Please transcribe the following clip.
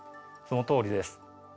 そのとおりです。